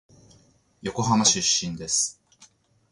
横浜出身です。